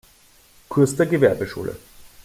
Kurs der Gewerbeschule.